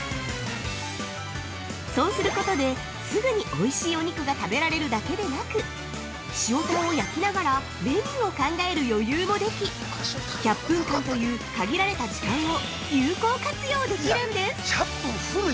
そうすることですぐにおいしいお肉が食べられるだけでなく塩タンを焼きながらメニューを考える余裕もでき１００分間という限られた時間を有効活用できるんです。